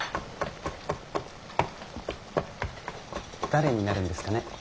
誰になるんですかね